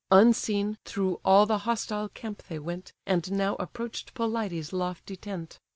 Unseen, through all the hostile camp they went, And now approach'd Pelides' lofty tent.